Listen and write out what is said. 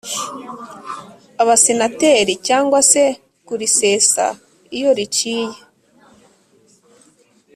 Abasenateri cyangwa se kurisesa iyo riciye